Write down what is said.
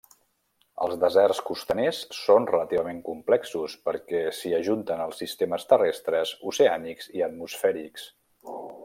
Els deserts costaners són relativament complexos perquè s'hi ajunten els sistemes terrestres, oceànics i atmosfèrics.